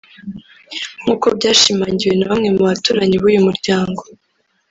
nk’uko byashimangiwe na bamwe mu baturanyi b’uyu muryango